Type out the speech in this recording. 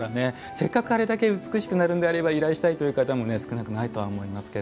せっかくあれだけ美しくなるのであれば依頼したいという方も少なくはないと思いますが。